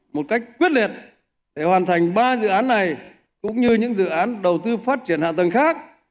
một cách quyết liệt để hoàn thành ba dự án này cũng như những dự án đầu tư phát triển hạ tầng khác